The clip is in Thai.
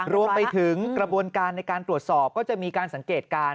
รวมไปถึงกระบวนการในการตรวจสอบก็จะมีการสังเกตการณ์